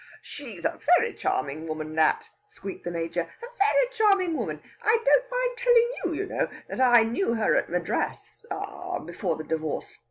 "She's a very charming woman, that," squeaked the Major "a very charming woman! I don't mind tellin' you, you know, that I knew her at Madras ah! before the divorce.